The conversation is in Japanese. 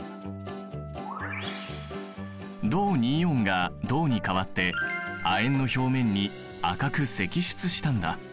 銅イオンが銅に変わって亜鉛の表面に赤く析出したんだ。